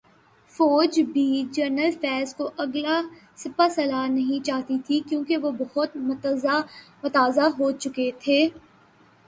فوج بھی جنرل فیض کو اگلا سپاسالار نہیں چاہتی تھی، کیونکہ وہ بہت متنازع ہوچکے تھے۔۔